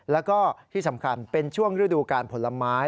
แล้วก็ที่สำคัญเป็นช่วงฤดูการผลไม้